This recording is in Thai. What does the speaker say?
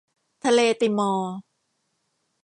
ทะเลติมอร์